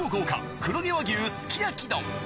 黒毛和牛すき焼き丼。